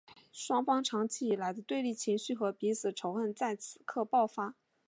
双方长期以来的对立情绪和彼此仇恨在此刻爆发。